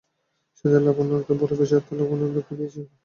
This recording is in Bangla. সেটাতে লাবণ্যকে বড়ো বেশি আত্মলাঘব-দুঃখ দিয়েছিল।